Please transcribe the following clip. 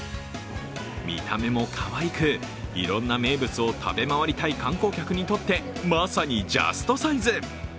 見た目もかわいく、いろんな名物を食べ回りたい観光客にとってまさにジャストサイズ。